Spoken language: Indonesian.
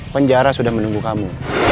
penjara sudah menunggu kamu